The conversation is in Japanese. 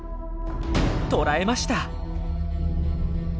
捕らえました！